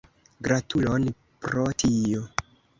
Gratulon pro tio!